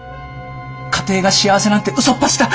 家庭が幸せなんてうそっぱちだ。